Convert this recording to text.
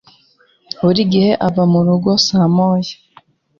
Buri gihe ava mu rugo saa moya.